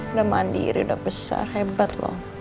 udah mandiri udah besar hebat loh